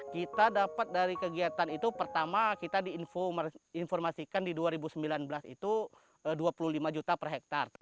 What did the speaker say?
kita dapat dari kegiatan itu pertama kita diinformasikan di dua ribu sembilan belas itu dua puluh lima juta per hektare